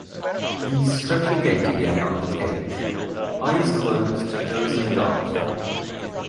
He’s stretching out again on the couch, eyes closed, dozing off.